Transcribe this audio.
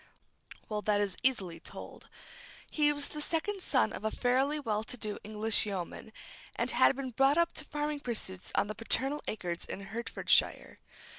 Well, that is easily told. He was the second son of a fairly well to do English yeoman, and had been brought up to farming pursuits on the paternal acres in Hertfordshire.